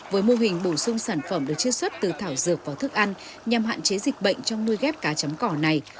với mô hình bổ sung sản phẩm được chế xuất từ thảo dược vào thức ăn nhằm hạn chế dịch bệnh trong nuôi ghép cá chấm cỏ này